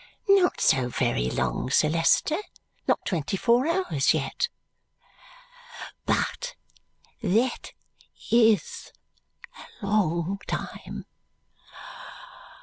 "Not so very long, Sir Leicester. Not twenty four hours yet." "But that is a long time.